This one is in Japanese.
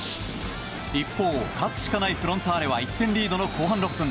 一方、勝つしかないフロンターレは１点リードの後半６分。